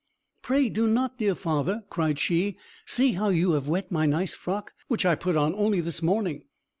"Pray do not, dear father!" cried she. "See how you have wet my nice frock, which I put on only this morning!"